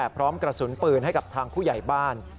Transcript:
พร้อมกระสุนปืนให้กับทางผู้ใหญ่บ้าน